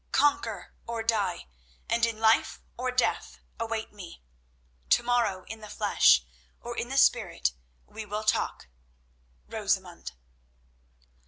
Conquer or die, and in life or death, await me. To morrow, in the flesh, or in the spirit, we will talk—Rosamund."